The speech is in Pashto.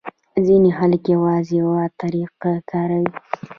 ځینې خلک یوازې یوه طریقه کاروي.